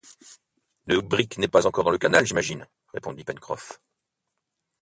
Le brick n’est pas encore dans le canal, j’imagine! répondit Pencroff.